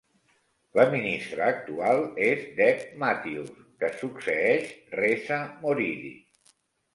La ministra actual és Deb Matthews, que succeeix Reza Moridi.